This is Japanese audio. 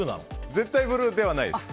絶対ブルーではないです